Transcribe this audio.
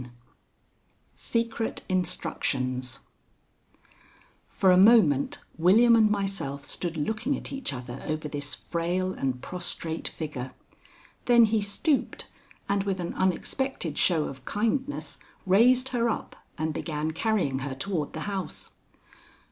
X SECRET INSTRUCTIONS For a moment William and myself stood looking at each other over this frail and prostrate figure. Then he stooped, and with an unexpected show of kindness raised her up and began carrying her toward the house.